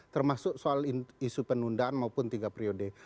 termasuk soal isu penundaan maupun tiga periode